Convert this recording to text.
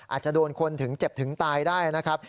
อาจจะโดนคนถึงเจ็บถึงตายได้นะครับ